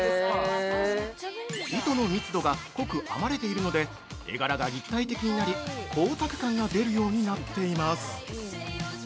◆糸の密度が濃く編まれているので、絵柄が立体的になり光沢感が出るようになっています。